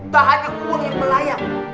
tak hanya uang yang melayang